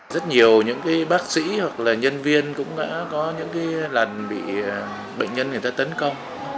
rất nhiều những bác sĩ hoặc là nhân viên cũng đã có những lần bị bệnh nhân người ta tấn công